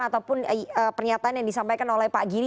ataupun pernyataan yang disampaikan oleh pak giri